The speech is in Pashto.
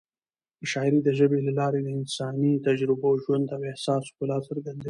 شاعري د ژبې له لارې د انساني تجربو، ژوند او احساس ښکلا څرګندوي.